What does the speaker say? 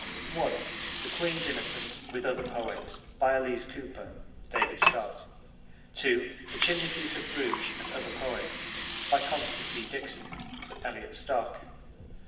(1) The Queen's Innocent, with Other Poems. By Elise Cooper. (David Stott.) (2) The Chimneypiece of Bruges and Other Poems. By Constance E. Dixon. (Elliot Stock.)